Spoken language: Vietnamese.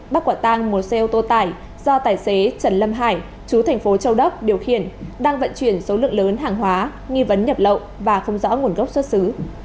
bắt quả tang một xe ô tô tải do tài xế trần lâm hải chú thành phố châu đốc điều khiển đang vận chuyển số lượng lớn hàng hóa nghi vấn nhập lậu và không rõ nguồn gốc xuất xứ